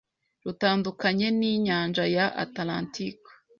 rutandukanye ni inyanja ya Atalantika